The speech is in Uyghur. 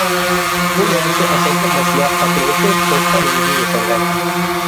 بۇ يەردىكى ئاساسلىق مەسىلە قاتۇرغۇچى چوشقا مېيىدىن ياسالغان.